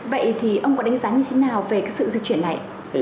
vậy thì ông có đánh giá như thế nào về cái sự di chuyển này